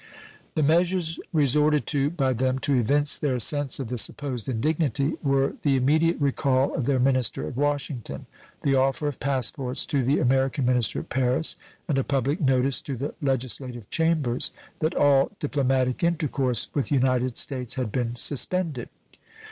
The measures resorted to by them to evince their sense of the supposed indignity were the immediate recall of their minister at Washington, the offer of passports to the American minister at Paris, and a public notice to the legislative Chambers that all diplomatic intercourse with the United States had been suspended.